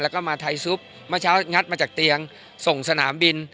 แล้วก็มาไทยซุปเมื่อเช้างัดมาจากเตียงส่งสนามบิน